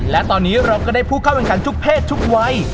และตอนนี้เราก็ได้ผู้เข้าแข่งขันทุกเพศทุกวัย